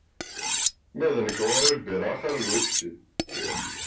Ma d nekk ɣur-i lbira axir n lwiski.